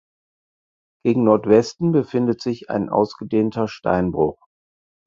Gegen Nordwesten befindet sich ein ausgedehnter Steinbruch.